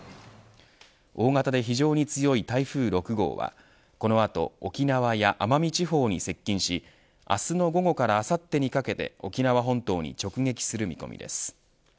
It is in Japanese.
大型で非常に強い台風６号はこの後沖縄や奄美地方に接近し明日の午後からあさってにかけて沖縄本島に直撃する見込みです。